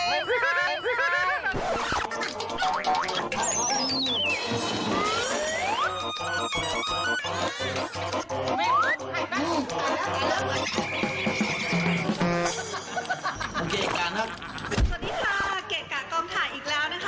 ด้วยก่อนเกถแก่กาสวัสดีค่ะเกจกะกล้องถ่ายอีกแล้วนะคะ